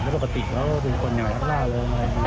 แล้วปกติเขาเป็นคนใหญ่แล้วล่าเริงไหม